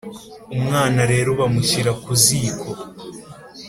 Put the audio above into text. Umwana rero bamushyira ku ziko.